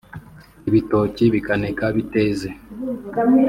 ibitoki bikaneka biteze